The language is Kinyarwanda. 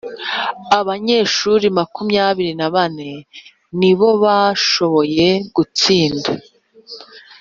abanyeshuri makumyabiri na bane ni bo bashoboye gutsinda,